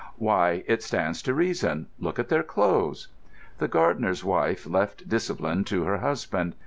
"Why, it stands to reason. Look at their clothes!" The gardener's wife left discipline to her husband.